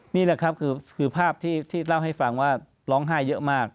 นี่แหละครับคือภาพที่เล่าให้ฟังว่าร้องไห้เยอะมาก